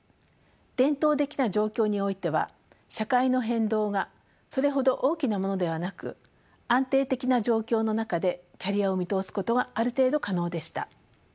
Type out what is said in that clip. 伝統的な状況においては社会の変動がそれほど大きなものではなく安定的な状況の中でキャリアを見通すことがある程度可能でした。